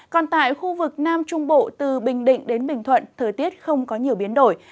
còn tại khu vực nam trung bộ từ bình định đến bình thuận thời tiết không có nhiều biến đổi